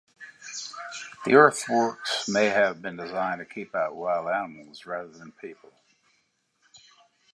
The earthworks may have been designed to keep out wild animals rather than people.